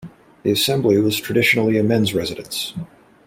The Assembly was traditionally a men's residence.